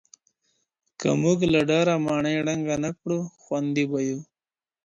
که موږ له ډاره ماڼۍ ړنګه نه کړو، خوندي به یو.